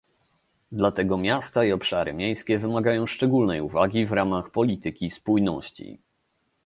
Dlatego miasta i obszary miejskie wymagają szczególnej uwagi w ramach polityki spójności